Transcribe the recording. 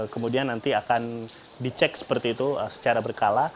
kemudian nanti akan dicek seperti itu secara berkala